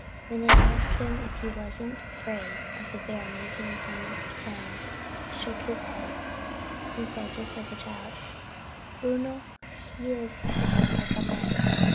When they asked him if he wasn't afraid of the bear making some sound he shook his head and said just like a child: "Bruno? No—he is wise like a man.